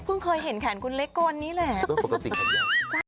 เคยเห็นแขนคุณเล็กกลนี้แหละ